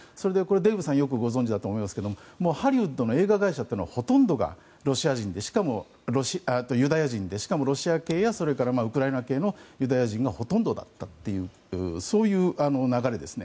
デーブさんはよくご存じだと思いますがハリウッドの映画会社ってほとんどがユダヤ人でしかもロシア系やウクライナ系のユダヤ人がほとんどだったという流れです。